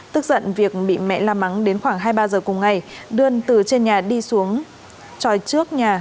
tức giận việc bị mẹ la mắng đến khoảng hai mươi ba giờ cùng ngày đưa từ trên nhà đi xuống tròi trước nhà